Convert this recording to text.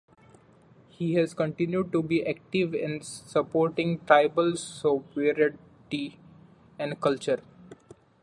He has continued to be active in supporting tribal sovereignty and culture.